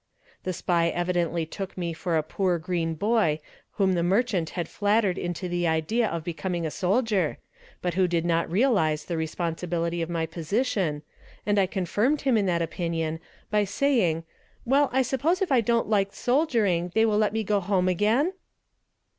The spy evidently took me for a poor green boy whom the merchant had flattered into the idea of becoming a soldier, but who did not realize the responsibility of my position, and I confirmed him in that opinion by saying "Well, I suppose if I don't like soldiering they will let me go home again?"